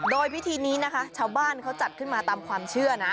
โดยพิธีนี้นะคะชาวบ้านเขาจัดขึ้นมาตามความเชื่อนะ